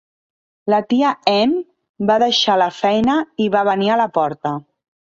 La tia Em va deixar la feina i va venir a la porta.